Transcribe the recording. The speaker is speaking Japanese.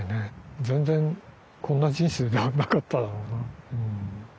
全然こんな人生ではなかっただろうな。